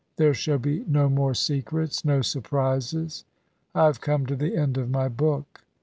There shall be no more secrets no surprises. I have come to the end of my book.